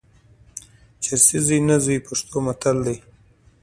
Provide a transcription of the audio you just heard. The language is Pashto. چرسي زوی نه زوی، پښتو متل دئ.